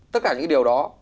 tất cả những điều đó